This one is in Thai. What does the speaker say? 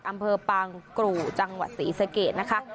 อำเภอปางกรูจังหวัดศรีสะเกดนะคะ